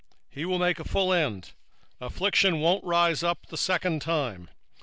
he will make an utter end: affliction shall not rise up the second time.